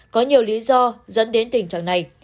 có nhiều lý do dẫn đến tình trạng này